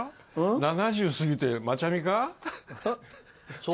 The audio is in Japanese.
７０過ぎてマチャミか？